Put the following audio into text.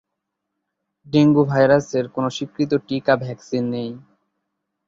Dengue ভাইরাসের কোন স্বীকৃত টিকা ভ্যাকসিন নেই।